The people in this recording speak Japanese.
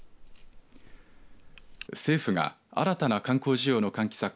政府が新たな観光需要の喚起策